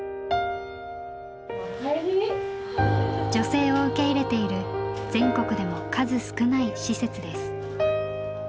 女性を受け入れている全国でも数少ない施設です。